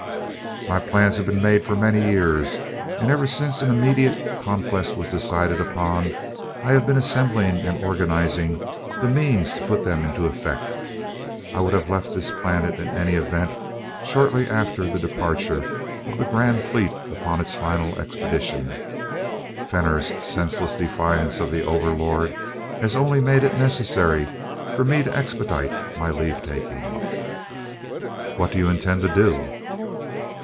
"My plans have been made for many years; and ever since an immediate Conquest was decided upon I have been assembling and organizing the means to put them into effect. I would have left this planet in any event shortly after the departure of the grand fleet upon its final expedition Fenor's senseless defiance of the Overlord has only made it necessary for me to expedite my leave taking." "What do you intend to do?"